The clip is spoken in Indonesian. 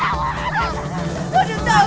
aduh tawar tawar